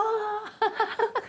ハハハハ！